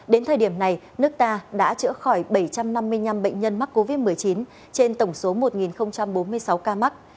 đến thời điểm này nước ta đã chữa khỏi bảy trăm năm mươi năm bệnh nhân mắc covid một mươi chín trên tổng số một bốn mươi sáu ca mắc